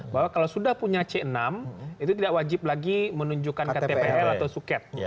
bahwa kalau sudah punya c enam itu tidak wajib lagi menunjukkan ktpl atau suket